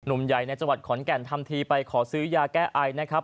ใหญ่ในจังหวัดขอนแก่นทำทีไปขอซื้อยาแก้ไอนะครับ